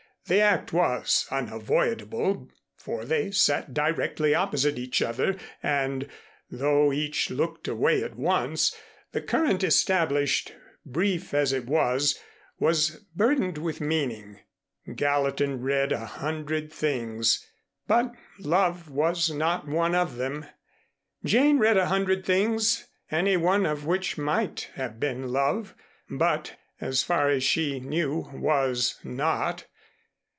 The act was unavoidable for they sat directly opposite each other and, though each looked away at once, the current established, brief as it was, was burdened with meaning. Gallatin read a hundred things, but love was not one of them. Jane read a hundred things any one of which might have been love, but, as far as she knew, was not.